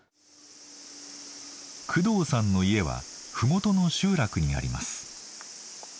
工藤さんの家は麓の集落にあります。